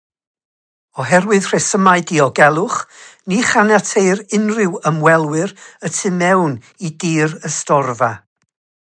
Oherwydd rhesymau diogelwch, ni chaniateir unrhyw ymwelwyr y tu mewn i dir y storfa.